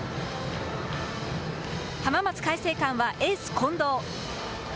浜松開誠館はエース、近藤。